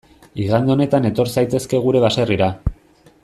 Igande honetan etor zaitezke gure baserrira.